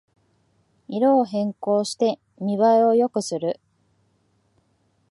色を変更して見ばえを良くする